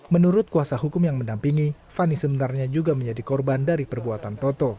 menurut kuasa hukum yang mendampingi fani sebenarnya juga menjadi korban dari perbuatan toto